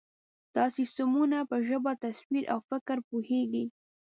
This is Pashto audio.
دا سیسټمونه په ژبه، تصویر، او فکر پوهېږي.